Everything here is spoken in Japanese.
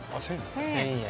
１，０００円。